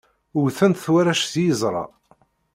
Wten-t warrac s yiẓra.